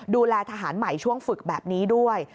ดูแลทหารใหม่ช่วงฝึกแบบนี้ด้วย